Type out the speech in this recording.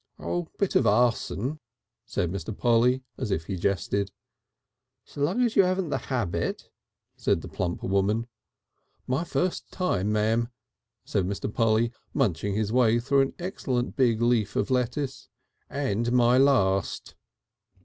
"Bit of Arson," said Mr. Polly, as if he jested. "So long as you haven't the habit," said the plump woman. "My first time, M'am," said Mr. Polly, munching his way through an excellent big leaf of lettuce. "And my last."